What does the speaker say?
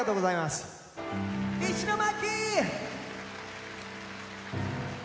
石巻！